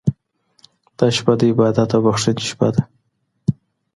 دا شپه د عبادت او بښنې شپه ده.